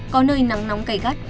có nơi nắng nóng gai gắt